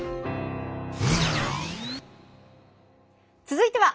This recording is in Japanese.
続いては。